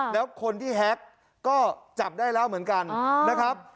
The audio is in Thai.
แล้วคนที่แฮ็กก็จับได้แล้วเหมือนกันนะครับ